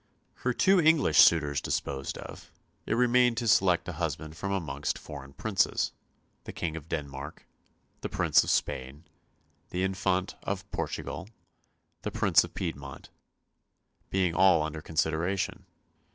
Her two English suitors disposed of, it remained to select a husband from amongst foreign princes the King of Denmark, the Prince of Spain, the Infant of Portugal, the Prince of Piedmont, being all under consideration.